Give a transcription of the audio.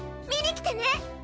見に来てね！